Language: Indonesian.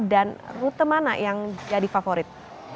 rute mana yang jadi favorit